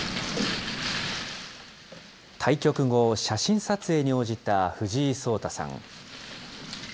対局後、写真撮影に応じた藤井聡太さん。